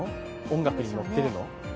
音楽にのってるの？